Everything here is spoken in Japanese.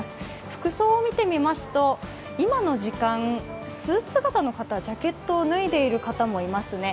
服装を見てみますと、今の時間、スーツ姿の方、ジャケットを脱いでいる方もいますね。